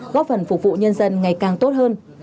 góp phần phục vụ nhân dân ngày càng tốt hơn